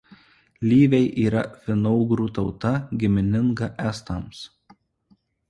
Lyviai yra finougrų tauta gimininga estams.